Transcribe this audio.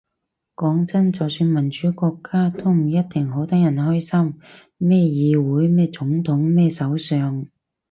講真，就算民主國家，都唔一定好多人關心咩議會咩總統咩首相